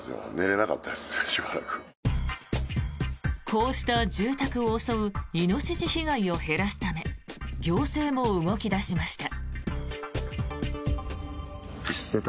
こうした、住宅を襲うイノシシ被害を減らすため行政も動き出しました。